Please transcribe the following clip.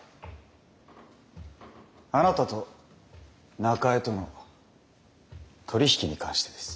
あなたと中江との取り引きに関してです。